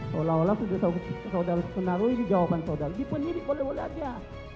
seolah olah sudah saudara penaruh ini jawaban saudara dipenirik boleh boleh aja